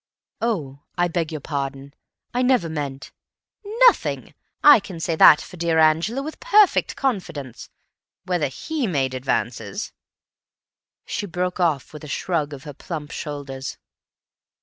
"Oh, I beg your pardon. I never meant—" "Nothing. I can say that for dear Angela with perfect confidence. Whether he made advances—" She broke off with a shrug of her plump shoulders.